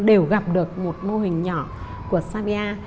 đều gặp được một mô hình nhỏ của savia